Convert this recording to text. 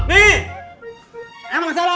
nih emang salah lu